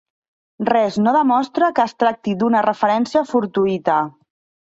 Res no demostra que es tracti d'una referència fortuïta.